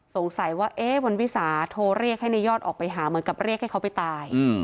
สงสัยว่าเอ๊ะวันวิสาโทรเรียกให้ในยอดออกไปหาเหมือนกับเรียกให้เขาไปตาย